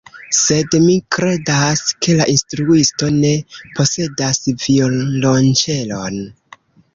Sed mi kredas, ke la instruisto ne posedas violonĉelon.